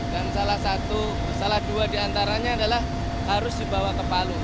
dan salah dua diantaranya adalah harus dibawa ke palu